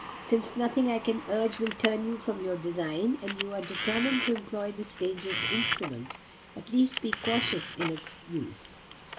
Since nothing I can urge will turn you from your design, and you are determined to employ this dangerous instrument, at least be cautious in its use.